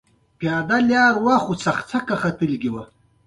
مصدر د فعل بنسټ ګڼل کېږي.